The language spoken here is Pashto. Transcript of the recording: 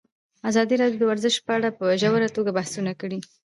ازادي راډیو د ورزش په اړه په ژوره توګه بحثونه کړي.